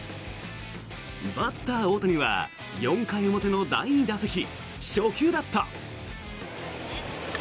バッター・大谷は４回表の第２打席初球だった。